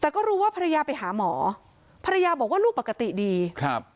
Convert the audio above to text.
แต่ก็รู้ว่าภรรยาไปหาหมอภรรยาบอกว่าลูกปกติดีครับ